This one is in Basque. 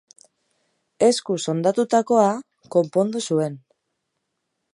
Eskuz hondatutakoa konpondu zuen.